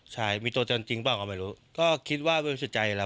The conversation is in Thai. ใช่มีตัวจริงบ้างก็ไม่รู้ก็คิดว่าไม่สุดใจแล้ว